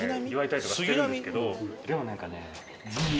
でも何かね地味。